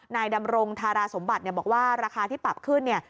นายดำรงธารสมบัติบอกว่าราคาที่ปรับขึ้น